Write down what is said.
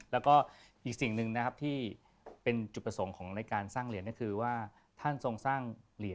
แต่รุ่นแรกจริงคือรุ่นนี้